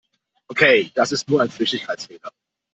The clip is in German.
Okay, das ist nur ein Flüchtigkeitsfehler.